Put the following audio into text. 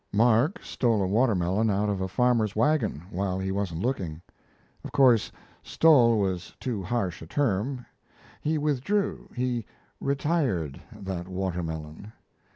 Mark stole a water melon out of a farmer's wagon, while he wasn't looking. Of course stole was too harsh a term he withdrew, he retired that water melon.